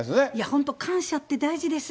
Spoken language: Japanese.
本当、感謝って大事です。